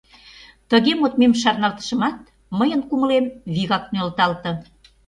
Тыге модмем шарналтышымат, мыйын кумылем вигак нӧлталте.